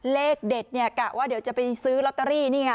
เลขเด็ดเนี่ยกะว่าเดี๋ยวจะไปซื้อลอตเตอรี่นี่ไง